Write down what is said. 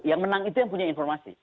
yang menang itu yang punya informasi